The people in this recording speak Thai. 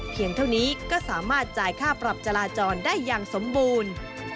เท่านี้ก็สามารถจ่ายค่าปรับจราจรได้อย่างสมบูรณ์